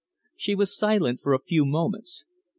She was silent for a few moments.